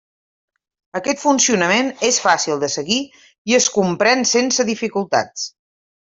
Aquest funcionament és fàcil de seguir, i es comprèn sense dificultats.